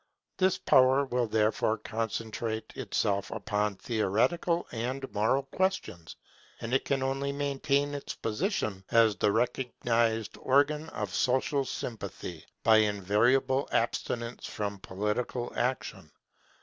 This power will therefore concentrate itself upon theoretical and moral questions; and it can only maintain its position as the recognized organ of social sympathy, by invariable abstinence from political action.